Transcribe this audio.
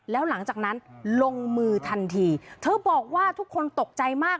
แล้วหลังจากนั้นลงมือทันทีเธอบอกว่าทุกคนตกใจมาก